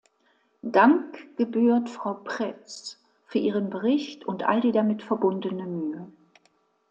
Dank gebührt Frau Prets für ihren Bericht und all die damit verbundene Mühe.